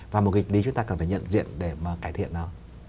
và một nghịch lý chúng ta cần phải nhận diện để cải thiện nó